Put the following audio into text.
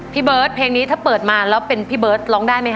พี่เบิร์ตเพลงนี้ถ้าเปิดมาแล้วเป็นพี่เบิร์ตร้องได้ไหมค